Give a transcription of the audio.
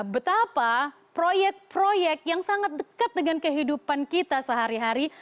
betapa proyek proyek yang sangat dekat dengan kehidupan kita sehari hari